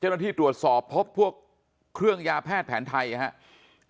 เจ้าหน้าที่ตรวจสอบพบพวกเครื่องยาแพทย์แผนไทยครับ